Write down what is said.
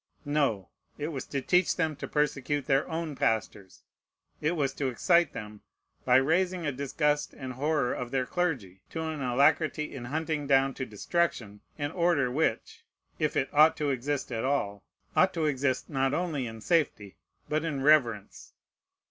No: it was to teach them to persecute their own pastors; it was to excite them, by raising a disgust and horror of their clergy, to an alacrity in hunting down to destruction an order which, if it ought to exist at all, ought to exist not only in safety, but in reverence.